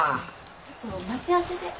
ちょっと待ち合わせで。